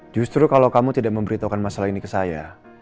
justru kalau kamu tidak memberitahukan masalah ini ke saya